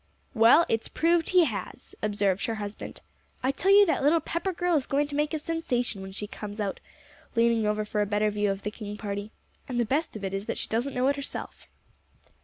"Well, it's proved he has," observed her husband. "I tell you that little Pepper girl is going to make a sensation when she comes out," leaning over for a better view of the King party, "and the best of it is that she doesn't know it herself."